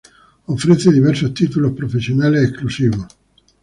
Ofrece diversos títulos profesionales exclusivos.